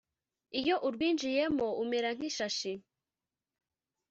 iyo urwinjiyemo umera nk’ishashi